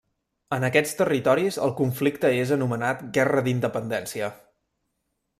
En aquests territoris el conflicte és anomenat Guerra d'independència.